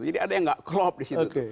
jadi ada yang tidak klop di situ